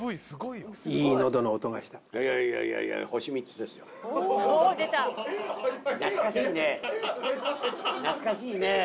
すごいね。